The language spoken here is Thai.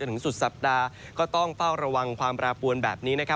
ถึงสุดสัปดาห์ก็ต้องเฝ้าระวังความแปรปวนแบบนี้นะครับ